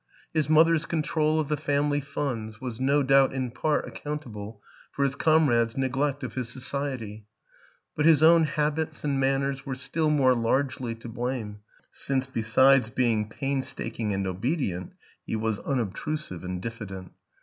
His mother's control of the family funds was no doubt in part accountable for his comrades' neglect of his so ciety; but his own habits and manners were still more largely to blame, since besides being pains taking and obedient he was unobtrusive and dif fident.